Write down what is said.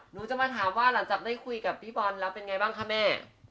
หนูจะมาถามว่าหลังจากได้คุยกับพี่บอลแล้วเป็นไงบ้างคะแม่